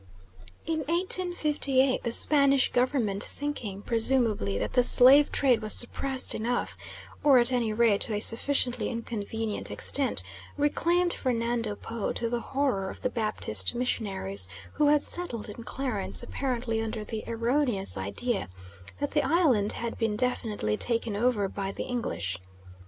In 1858 the Spanish Government thinking, presumably, that the slave trade was suppressed enough, or at any rate to a sufficiently inconvenient extent, re claimed Fernando Po, to the horror of the Baptist missionaries who had settled in Clarence apparently under the erroneous idea that the island had been definitely taken over by the English.